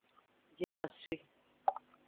Jikasoi.